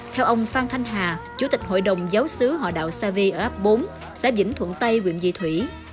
theo ông phan thanh hà chủ tịch hội đồng giáo sứ họ đạo xa vi ở áp bốn xã vĩnh thuận tây nguyện dị thủy